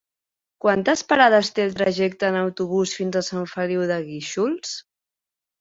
Quantes parades té el trajecte en autobús fins a Sant Feliu de Guíxols?